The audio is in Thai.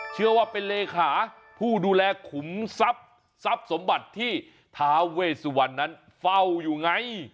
เชื่อว่าเป็นเลขาผู้ดูแลขุมทรัพย์ทรัพย์สมบัติที่ท้าเวสุวรรณนั้นเฝ้าอยู่ไง